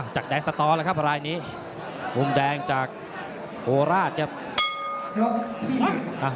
จากแดงสตอแล้วครับรายนี้มุมแดงจากโคราชครับ